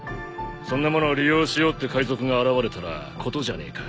そんなものを利用しようって海賊が現れたら事じゃねえか。